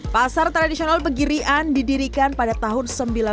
pasar tradisional pegirian didirikan pada tahun seribu sembilan ratus delapan puluh